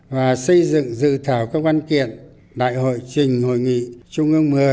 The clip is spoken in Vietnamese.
và xây dựng dự thảo các văn kiện đại hội trình hội nghị trung ương một mươi